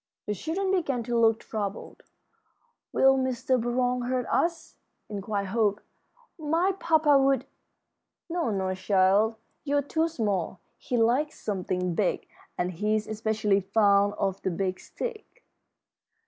The children began to look troubled. "Will Mr. Burroughs hurt us?" inquired Hope. "My papa would " "No, no, child, you're too small. He likes something big, and he's especially fond of the Big Stick."